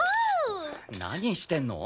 何してんの？